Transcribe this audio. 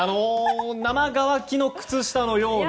生乾きの靴下のような。